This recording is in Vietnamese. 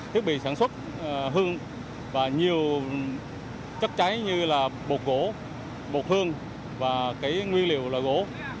thiết bị sản xuất hương và nhiều chất cháy như là bột gỗ bột hương và cái nguyên liệu là gỗ